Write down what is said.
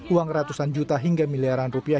uang ratusan juta hingga miliaran rupiah